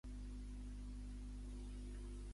Estudià piano, fagot i violoncel a Essen.